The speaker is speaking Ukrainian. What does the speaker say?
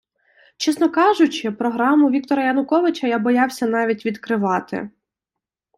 Чесно кажучи, програму Віктора Януковича я боявся навіть відкривати.